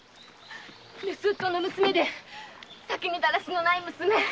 盗っ人の娘で酒にだらしのない娘！